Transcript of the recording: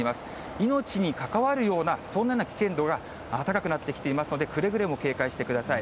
命に関わるような、そんな危険度が高くなってきていますので、くれぐれも警戒してください。